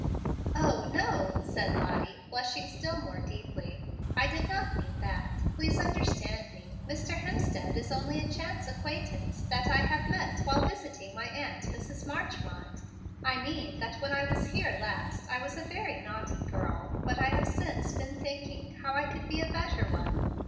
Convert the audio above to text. "O, no," said Lottie, blushing still more deeply; "I did not mean that. Please understand me. Mr. Hemstead is only a chance acquaintance that I have met while visiting my aunt, Mrs. Marchmont. I mean that when I was here last I was a very naughty girl, but I have since been thinking how I could be a better one.